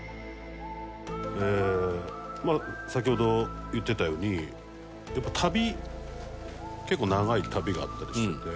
ええーまあ先ほど言ってたようにやっぱ旅結構長い旅があったりしてて。